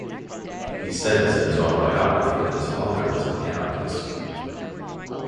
He says in his autobiography that his father was an anarchist.